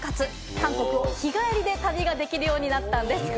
韓国を日帰りで旅ができるようになったんです。